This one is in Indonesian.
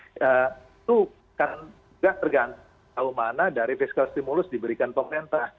itu tidak tergantung tahu mana dari fiscal stimulus diberikan pemerintah